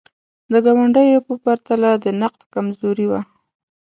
د ګاونډیو په پرتله د نقد کمزوري وه.